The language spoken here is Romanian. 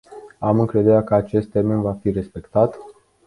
Am încredere că acest termen va fi respectat.